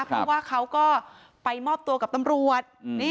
เพราะว่าเขาก็ไปมอบตัวกับตำรวจ